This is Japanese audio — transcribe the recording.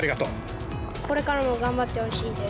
これからも頑張ってほしいで